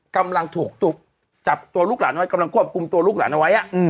กำลังถูกจับตัวลูกหลานไว้กำลังควบคุมตัวลูกหลานเอาไว้